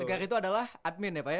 segar itu adalah admin ya pak ya